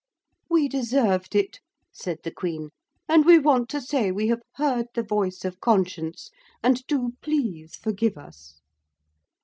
'We deserved it,' said the Queen, 'and we want to say we have heard the voice of conscience, and do please forgive us.'